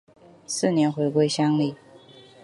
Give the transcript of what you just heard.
次年回归乡里。